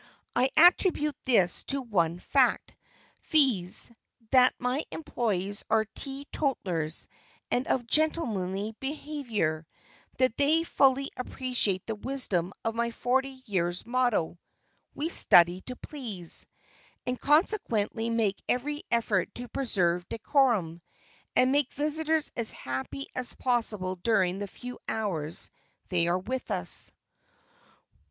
I attribute this to one fact, viz., that my employees are teetotalers and of gentlemanly behavior; that they fully appreciate the wisdom of my forty years' motto "WE STUDY TO PLEASE" and consequently make every effort to preserve decorum, and make visitors as happy as possible during the few hours they are with us.